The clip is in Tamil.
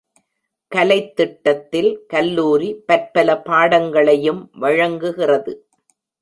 கலைத்திட்டத்தில் கல்லூரி பற்பல பாடங்களையும் வழங்குகிறது.